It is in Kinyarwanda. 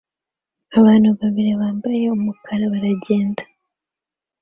Abantu babiri bambaye umukara baragenda